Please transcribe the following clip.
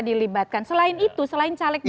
dilibatkan selain itu selain caleg cale